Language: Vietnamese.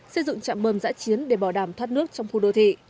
xây dựng trạm bơm giã chiến để bảo đảm thoát nước trong khu đô thị